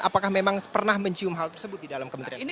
apakah memang pernah mencium hal tersebut di dalam kementerian